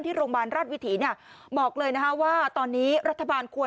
ที่โรงพยาบาลราชวิถีบอกเลยว่าตอนนี้รัฐบาลควร